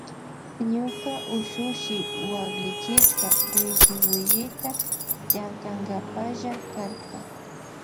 Ñuka ushushi waklichirka willi willita llankankapalla karka.